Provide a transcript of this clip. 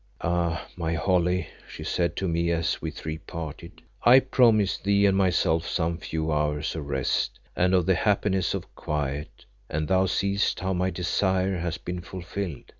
"Ah! my Holly," she said to me as we three parted, "I promised thee and myself some few hours of rest and of the happiness of quiet, and thou seest how my desire has been fulfilled.